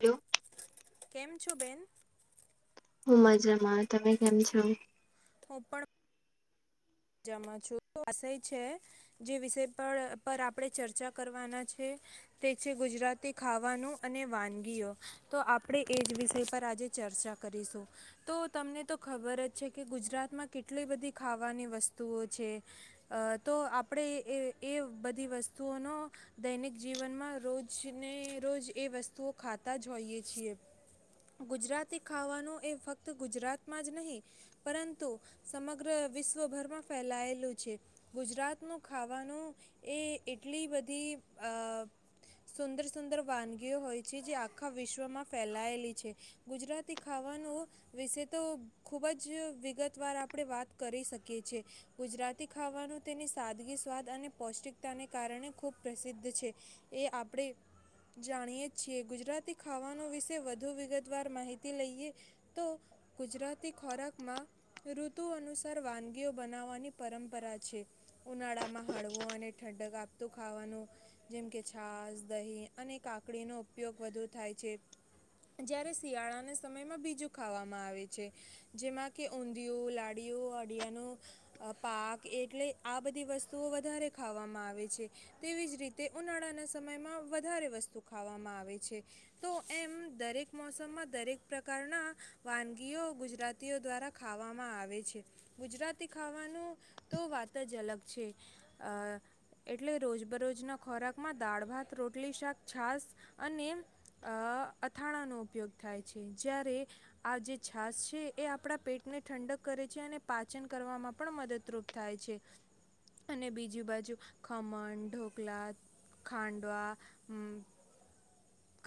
Hello. કેમ છો બેન? હું મજામાં તમે કેમ છો? તો પણ ા વિષય છે જે વિષય પર પર આપણે ચર્ચા કરવાના છે તે છે ગુજરાતી ખાવાનું અને વાનગીઓ તો આપણે એ જ વિષય પર આજે ચર્ચા કરીશું તો તમને તો ખબર જ છે કે ગુજરાતમાં કેટલી બધી ખાવાની વસ્તુ તો આપણે એ બધી વસ્તુઓનો દૈનિક જીવનમાં રોજને રોજ એ વસ્તુઓ ખાતા જ હોઈએ છીએ ગુજરાતી ખાવાનું એ ફક્ત ગુજરાતમાં જ નહીં પરંતુ સમગ્ર વિશ્વભરમાં ફેલાયેલું છે ગુજરાતનું ખાવાનું એ એટલી બધી સુંદર સુંદર વાનગીઓ હોય છે જે આખા વિશ્વમાં ફેલાયેલી છે ગુજરાતી ખાવાનું વિશે તો ખૂબ જ વિગતવાર આપણે વાત કરી શકીએ છ છેએ ગુજરાતી ખાવાનું તેની સાદગી સ્વાદ અને પૌષ્ટિકતાને કારણે ખૂબ પ્રસિદ્ધ છે એ આપણે જાણીય છીએ ગુજરાતી ખાવાનો વિશે વધુ વિગતવાર માહિતી લઈએ તો ગુજરાતી ખોરાકમાં ઋતુ અનુસાર વાનગીઓ બનાવવાની પરંપરા છે ઉનાળામાં હળવું અને ઠંડક આપતું ખાવાનું જેમકે છાસ દહીં અને કાકડીનો ઉપયોગ વધુ થાય છે જ્યારે શિયાળાના સમયમાં બીજું ખાવામાં આવે છે જેમાં કે ઊંધિયું લાડીયું અડિયાનું પાક એટલે આ બધી વસ્તુઓ વધારે ખાવામાં આવે છે તેવી જ રીતે ઉનાળાના સમયમાં વધારે વસ્તુ ખાવામાં આવે છે તો એમ દરેક મોસમમાં દરેક પ્રકારના વાનગીઓ ગુજરાતીઓ દ્વારા ખાવામાં આવે છે ગુજરાતી ખાવાનું તો વાત જ અલગ છે એટલે રોજબરોજના ખોરાકમાં દાળ ભાત રોટલી શાક છાસ અને અથાણાનો ઉપયોગ થાય છે જ્યારે આ જે છાસ છે એ આપણા પેટને ઠંડક કરે છે અને પાચન વામાં પણ મદદરૂપ થાય છે અને બીજજી બાજુ ખમણ ઢોકલા ખાંડવા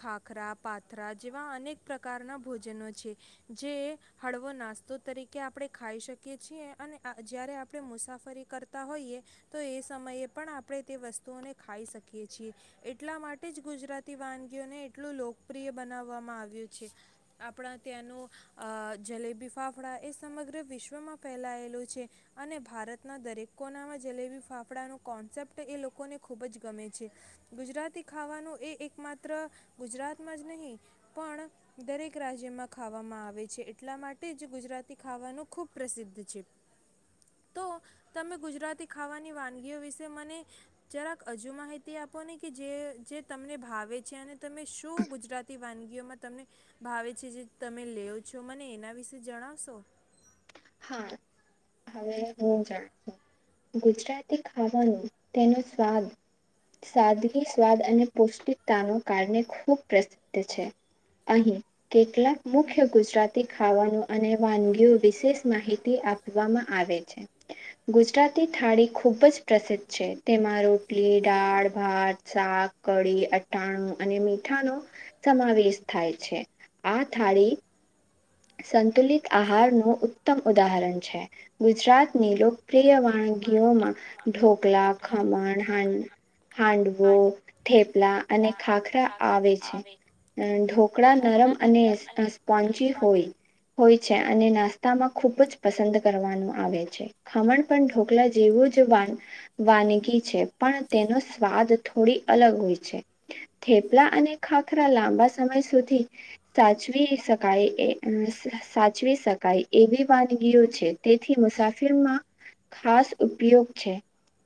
ખાખરા પાથરા જેવા અનેક પ્રકારના ભોજનો છે જે હળવો નાસ્તો તરીકે આપણે ખાઈ શકી છી. અને જ્યારે આપણે મુસાફરી કરતા હોઈએ તો એ સમયે પણ આપણે તે વસ્તુઓને ખાઈ શકીએ છીએ એટલા માટે જ ગુજરાતી વાનગીઓને એટલું લોકપ્રિય બનાવવામાં આવ્યું છે આપણા ત્યાંનું જલેબી ફાફડા એ સમગ્ર વિશ્વમાં ફેલાયેલા અને ભારતના દરેક કોનામાં જલેબી ફાફડાનો કોન્સેપ્ટ એ લોકોને ખૂબ જ ગમે છે ગુજરાતી ખાવાનું એ એક માત્ર ગુજરાતમાં જ નહીં પણ દરેક રાજ્યમાં ખાવામાં આવે છે એટલા માટે જ ગુજરાતી ખાવાનું ખૂબ પ્રસિદ્ધ છે. તો તમે ગુજરાતી ખાવાની વાનગીઓ વિશે મને જરાક હજુ માહિતી આપો ને કે જે તમને ભાવે છે અને તમે શું ગુજરાતી વાનગીઓમાં તમને ભાવે છે જે તમે લે છો મને એના વિશે જણાવશો. હા હવે હું જાણ છું ગુજરાતી ખાવાનું તેનો સ્વાદ સાદગી સ્વાદ અને પૌષ્ટિકતા ન કારણે ખૂબ પ્રસિદ્ધ છે અહી કેટલાક મુખ્ય ગુજરાતી ખાવાનું અને વાનગીઓ વિશેષ માહિતી આપવામાં આવે છે ગુજરાતી થાળી ખૂબ જ પ્રસિદ્ધ છે તેમાં રોટલી, દાળ, ભાત, શાક, કઢીઅટાણું અને મીઠાનો સમાવેશ થાય છે આ થાળી સંતુલિત આહારનું ઉત્તમ ઉદાહરણ છે ગુજરાતની લોકપ્રિય વાનગીઓમાં ઢોકલા, ખમણ હાંડવો થેપલા અને ખાખરા આવે છે [unintelligible] કડા નરમ અને સ્પોન્જીવ હોય હોય છે અને નાસ્તામાં ખૂબ જ પસંદ કરવાનું આવે છે ખમણ પણ ઢોકલા જેવું જ વાન વાનગી છે પણ તેનો સ્વાદ થોડી અલગ હોય છે થેપલા અને ખાખરા લાંબા સમય સુધી સાચવી શકાય એ સાચવી શકાય એવી વાનગીઓ છે તેથી મુસાફિરમાં ખાસ ઉપયોગ છે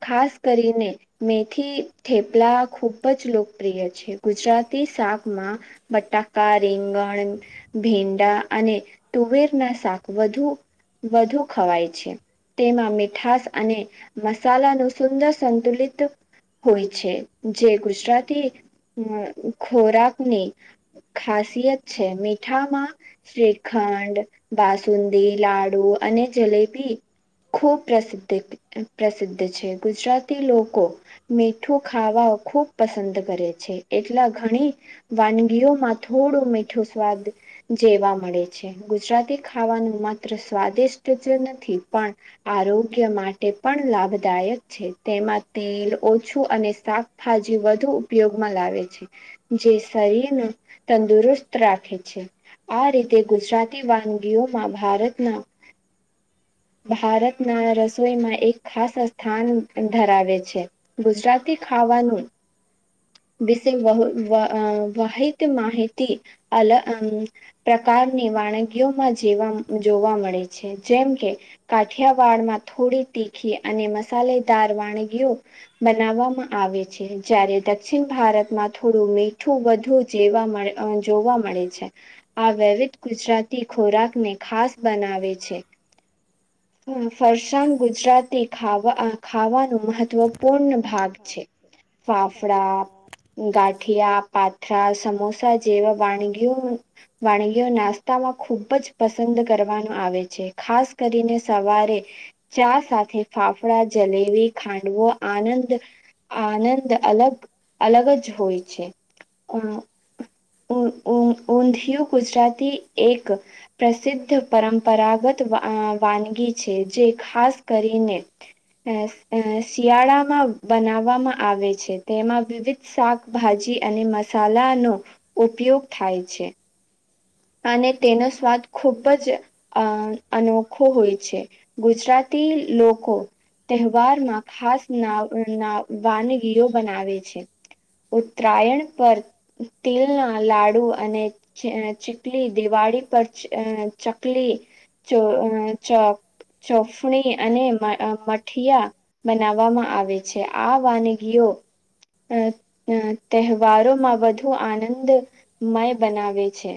ખાસ કરીને મેથી થેપલા ખૂબ જ લોકપ્રિય છે ગુજરાતી શાકમાં બટાકા, રીંગણ, ભીંડા અને તુવેરના શાક વધુ વધુ ખવાય છે. તેમાં મીઠાસ અને મસાલાનું સુંદર સંતુલિત હોય છે. જે ગુજરાતી ખોરાકની ખાસિયત છે મીઠામાં શ્રીખંડ, બાસુંદી, લાડુ અને જલેબી ખૂબ પ્રસિદ્ધ પ્રસિદ્ધ છે ગુજરાતી લોકો મીઠું ખાવા ખુબ પસંદ કરે છે એટલા ઘણી વાનગીઓમાં થોડું મીઠું સ્વાદ જેવા મળે છે ગુજરાતી ખાવાનું માત્ર સ્વાદિષ્ટ જ નથી પણ આરોગ્ય માટે પણ લાભદાયક છે. તેમાં તેલ ઓછું અને શાકભાજી વધુ ઉપયોગમાં લાવે છે જે શરીર ને તંદુરસ્ત રાખે છે. આ રીતે ગુજરાતી વાનગીઓમાં ભારતના ભારતના રસોઈમાં એક ખાસ સ્થાન ધરાવે છે. ગુજરાતી ખાવાનું વિશે વહ વ અ વહિત માહિતી અલ પ્રકારની વાનગીઓમાં જેવા જોવા મળે છે. જેમ કે કાઠિયાવાડમાં થોડી તીખી અને મસાલેદાર વાનગીઓ બનાવવામાં આવે છે જ્યારે દક્ષિણ ભારતમાં થોડું મીઠું વધુ જેવા જોવા મળે છે. આ વૈવિધ ગુજરાતી ખોરાકને ખાસ બનાવે છે. ફરસાણ ગુજરાતી ખાવા ખાવાનું મહત્વપૂર્ણ ભાગ છે ફાફડા, ગાઠિયા પાથરા, સમોસા જેવા વાનગીઓ વાનગીઓ નાસ્તામાં ખૂબ જ પસંદ કરવાનું આવે છે. ખાસ કરીને સવારે ચા સાથે ફાફડા, જલેબી, ખાંડવો આનંદ આનંદ અલગ અલગ જ હોય છે. અ ઊં ઊં ઊંધિયું ગુજરાતી એક પ્રસિદ્ધ પરંપરાગત વા વાનગી છે જે ખાસ કરીને અ શિયાળામાં બનાવવામાં આવે છે તેમાં વિવિધ શાકભાજી અને મસાલાનો ઉપયોગ થાય છે. અને તેનો સ્વાદ ખુબ જ અ અનોખો હોય છે. ગુજરાતી લોકો તહેવારમાં ખાસ નાવ વાનગીરો બનાવે છે. ઉત્તરાયણ પર તિલના લાડુ અને ચે કલી દિવાળી પર ચ ચકલી ચ ચ ચોફણી અને મઠયા બનાવવામાં આવે છે. આ વાનગીઓ અ અ તહેવારોમાં વધુ આનંદમય બનાવે છે.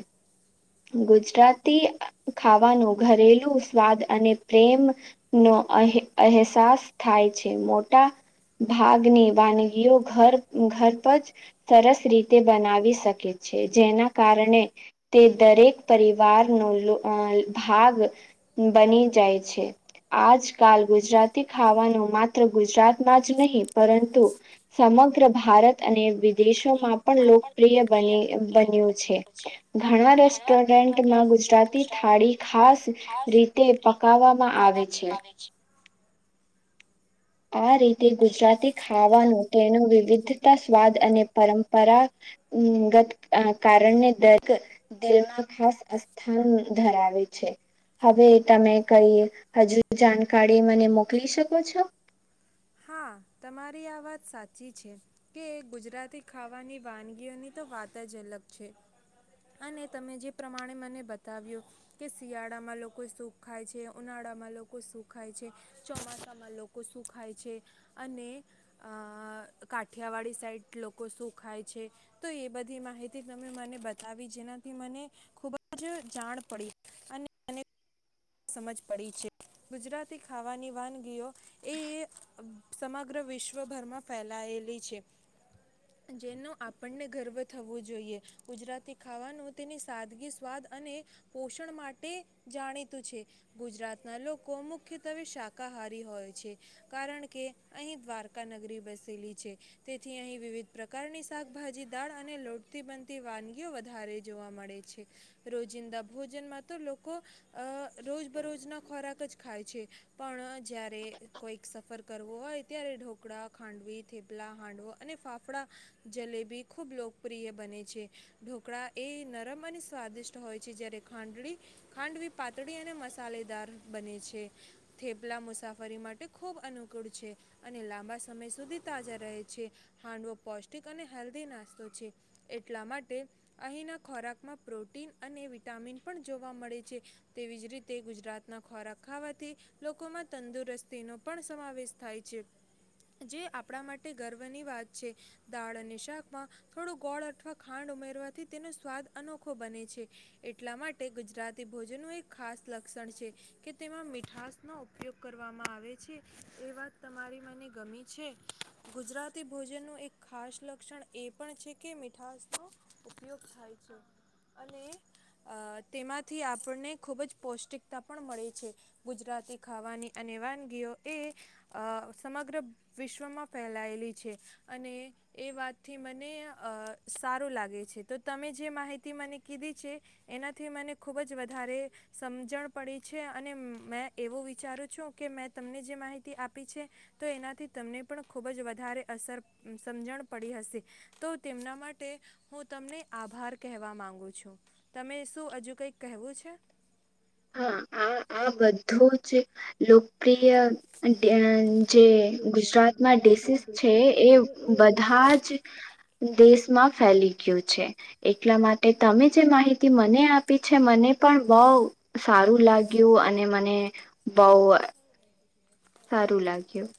ગુજરાતી ખાવાનું ઘરેલું સ્વાદ અને પ્રેમ નો અહે અહેસાસ થાય છે મોટા ભાગની વાનગીઓ ઘર ઘર પર જ સરસ રીતે બનાવી શકે છે જેના કારણે તે દરેક પરિવારનો લો ભાગ બની જાય છે. આજકાલ ગુજરાતી ખાવાનું માત્ર ગુજરાતમાં જ નહીં પરંતુ સમગ્ર ભારત અને વિદેશોમાં પણ લો પ્રિય બને બન્યું. છે. ઘણા રેસ્ટોરન્ટમાં ગુજ જાતિ થાળી ખાસ રી તે પક કાવામાં આવે છે. આ રીતે ગુજરાતી ખાવાનો તેનો વિવિધતા સ્વાદ અને પરંપરાગત કારણને દગ દિલમાં ખાસ અસ્થાન ધરાવે છે હવે તમે કઈ હજુ જાણકારી મને મોકલી શકો છો? હા તમારી આ વાત સાચી છે કે ગુજરાતી ખાવાની વાનગીઓની તો વાત જ અલગ છે અને તમે જે પ્રમાણે મને બતાવ્યું કે શિયાળામાં લોકો શું ખાય છે ઉનાળામાં લોકો શું ખાય છે ચોમાસામાં લોકો શું ખાય છે. અને અ કાઠિયાવાડી સાઈડ લોકો શું ખાય છે તો એ બધી માહિતી તમે મને બતાવી જેનાથી મને ખૂબ જ જાણ પડી અને સમજ પડી છે ગુજરાતી ખાવાની વાનગીઓ એ સમગ્ર વિશ્વભરમાં ફેલાયેલી છે જેનો આપણને ગર્વ થવો જોઈએ ગુજરાતી ખાવાનું તેની સાદગી સ્વાદ અને પોષણ માટે જાણી ગુજરાતના લોકો મુખ્યત્વે શાકાહારી હોય છે કારણ કે અહીં દ્વારકા નગરી બેસેલી છે તેથી અહી વિવિધ પ્રકારની શાકભાજી દાળ અને લોટથી બનતી વાનગીઓ વધારે જોવા મળે છે રોજિંદા ભોજનમાં તો લોકો અ રોજબરોજના ખોરાક જ ખાય છે પણ જ્યારે કોઈક સફર કરવો હોય ત્યારે ઢોકળા, ખાંડવી, થેપલા, હાંડવો અને ફાફડા જલેબી ખૂબ લોકપ્રિય બને છે ઢોકળા એ નરમ અને સ્વાદિષ્ટ હોય છે જ્યારે ખાંડડી ખાંડવી પાતળી અને મસાલેદાર બને છે થેપલા મુસાફરી માટે ખૂબ અનુકૂળ છે અને લાંબા સમય સુધી તાજા રહે છે હાંડવો પૌષ્ટિક અને હેલ્ધી નાસ્તો છે એટલા માટે અહીંના ખોરાકમાં પ્રોટીન અને વિટામિન પણ જોવા મળે છે. તેવી જ રીતે ગુજરાતના ખોરાક ખાવાથી લોકોમાં તંદુરસ્તીનો પણ સમાવેશ થાય છે જે આપડા માટે ગર્વની વાત છે દાળ અને શાકમાં થોડું ગોળ અથવા ખાંડ ઉમેરવાથી તેને સ્વાદ અનોખો બને છે એટલા માટે ગુજરાતી ભોજનનું એક ખાસ લક્ષણ છે કે તેમાં મીઠાસનો ઉપયોગ કરવામાં આવે છે એ વાત તમારી મને ગમી છે ગુજરાતી ભોજનનું એક ખાસ લક્ષણ એ પણ છે કે મીઠાસનો ઉપયોગ થાય છે અને એ તેમાંથી આપણે ખૂબ જ પૌષ્ટિકતા પણ મળે છે ગુજરાતી ખાવાની અને વાનગીઓ એ અ સમગ્ર વિશ્વમાં ફેલાયેલી છે અને એ વાતથી મને સારું લાગે છે તો તમે જે માહિતી મને કીધી છે એનાથી મને ખૂબ જ વધારે સમજણ પડી છે અને મેં એવો વિચારું છું કે મેં તમને જે માહિતી આપી છે તો એનાથી તમને પણ ખુબ જ વધારે અસર સમજણ પડી હશે તો તેમના માટે હું તમને આભાર કહેવા માંગુ છું તમે શું અજુ કઈ કહેવું છે? હા આ આ બધું જે લો પ્રિય જે ગુજરાતમાં ડિસીસ છે એ બધા જ દેશ માં ફેલી ગયું છે એટલા માટે તમે જે માહિતી મને આપી છે મને પણ બઉ સારું લાગ્યું અને મને બઉ સારું લાગ્યું.